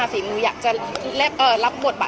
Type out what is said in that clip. จริงก็รอดูเลยค่ะ